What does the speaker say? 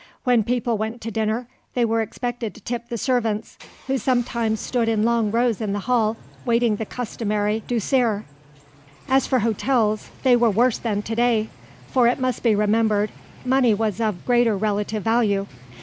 When people went to dinner they were expected to tip the servants, who sometimes stood in long rows in the hall waiting the customary douceur. As for hotels, they were worse than to day, for it must be remembered money was of greater relative value.